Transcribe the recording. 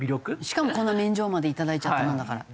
しかもこんな免状まで頂いちゃったもんだから。